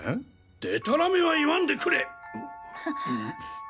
でたらめは言わんでくれ！